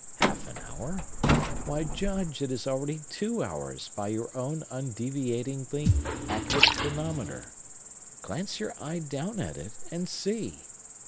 Half an hour? Why, Judge, it is already two hours, by your own undeviatingly accurate chronometer. Glance your eye down at it and see!